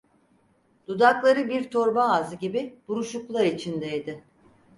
Dudakları bir torba ağzı gibi buruşuklar içindeydi.